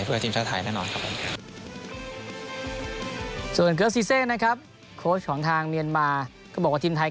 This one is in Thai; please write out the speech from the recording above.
เพื่อทีมชาติไทยน่ะนอนครับส่วนเกอร์ซีเซ้งนะครับโค้ชของทางเมียนมาก็บอกว่าทีมไทย